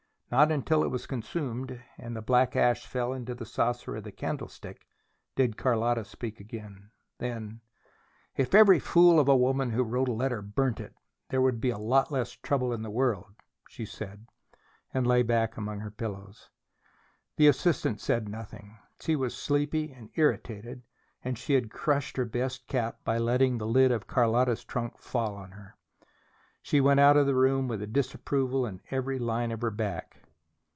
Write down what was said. Not until it was consumed, and the black ash fell into the saucer of the candlestick, did Carlotta speak again. Then: "If every fool of a woman who wrote a letter burnt it, there would be less trouble in the world," she said, and lay back among her pillows. The assistant said nothing. She was sleepy and irritated, and she had crushed her best cap by letting the lid of Carlotta's trunk fall on her. She went out of the room with disapproval in every line of her back.